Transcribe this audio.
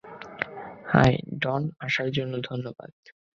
High, - Don, আসার জন্য ধন্যবাদ।